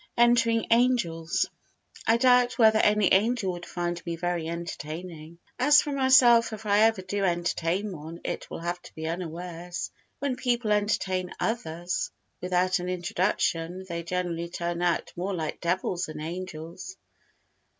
Entertaining Angels I doubt whether any angel would find me very entertaining. As for myself, if ever I do entertain one it will have to be unawares. When people entertain others without an introduction they generally turn out more like devils than angels.